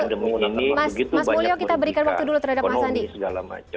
mas mulyo kita berikan waktu dulu terhadap mas andi